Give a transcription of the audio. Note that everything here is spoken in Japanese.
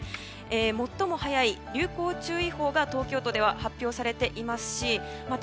最も早い流行注意報が東京都では発表されていますしまた